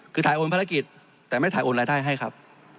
คือถ่ายโอนภารกิจแต่ไม่ถ่ายโอนรายได้ให้ครับ